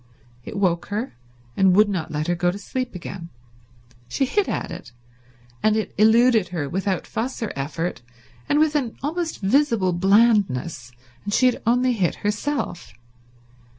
It woke her, and would not let her go to sleep again. She hit at it, and it eluded her without fuss or effort and with an almost visible blandness, and she had only hit herself.